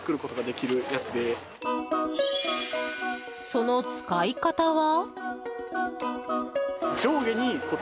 その使い方は。